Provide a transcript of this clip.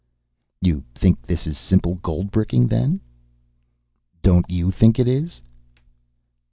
"You think this is simple goldbricking, then?" "Don't you think it is?"